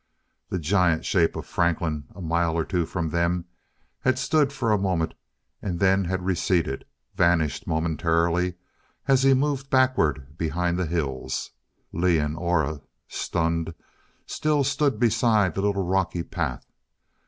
The giant shape of Franklin, a mile or two from them, had stood for a moment and then had receded, vanished momentarily as he moved backward behind the hills. Lee and Aura, stunned, still stood beside the little rocky path.